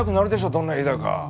どんな家だか。